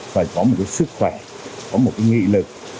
phải có một cái sức khỏe có một cái nghị lực